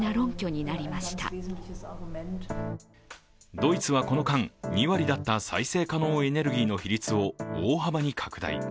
ドイツはこの間、２割だった再生可能エネルギーの比率を大幅に拡大。